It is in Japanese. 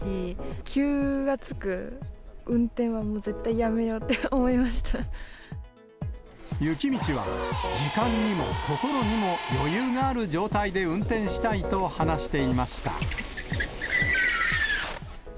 急がつく運転はもう絶対やめ雪道は、時間にも心にも余裕がある状態で運転したいと話していました。